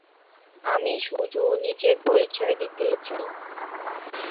আমি শুধু নিজের পরিচয় দিতে চাই।